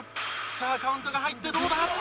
さあカウントが入ってどうだ？